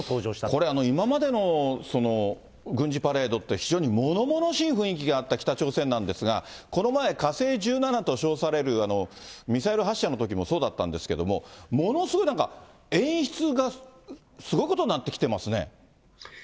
これ、今までの軍事パレードって、非常にものものしい雰囲気があった北朝鮮なんですが、この前、火星１７と称されるミサイル発射のときもそうだったんですけども、ものすごいなんか、演出がすごいことになってきてますね。